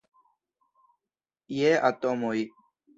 Je atomoj.